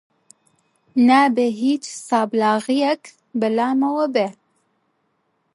نابێ هیچ سابڵاغییەک بە لامەوە بێ!